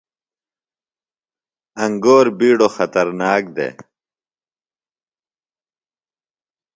انگور بِیڈو خطرناک دےۡ۔